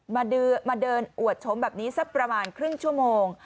มาเดินอวดชมแบบนี้สักประมาณครึ่งชั่วโมง